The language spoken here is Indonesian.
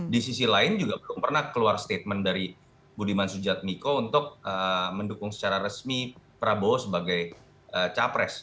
di sisi lain juga belum pernah keluar statement dari budiman sujatmiko untuk mendukung secara resmi prabowo sebagai capres